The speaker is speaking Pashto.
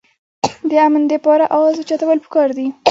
د امن دپاره اواز اوچتول پکار دي